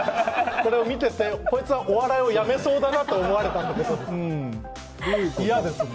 これを見ててこいつはお笑いをやめそうだなと思われたってことですか。